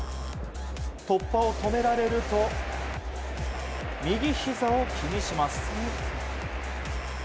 突破を止められると右ひざを気にします。